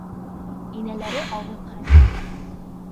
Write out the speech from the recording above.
Инәләре алыҫ хәҙер.